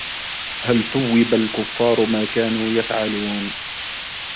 هَلْ ثُوِّبَ الْكُفَّارُ مَا كَانُوا يَفْعَلُونَ